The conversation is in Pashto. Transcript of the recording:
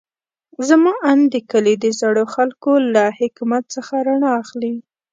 زما اند د کلي د زړو خلکو له حکمت څخه رڼا اخلي.